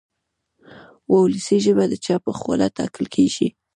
وولسي ژبه د چا په خوله ټاکل کېږي.